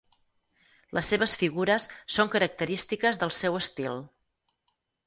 Les seves figures són característiques del seu estil.